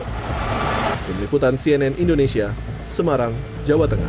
dari meliputan cnn indonesia semarang jawa tengah